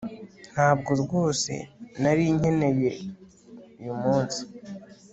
Ntabwo rwose nari nkeneye uyu munsi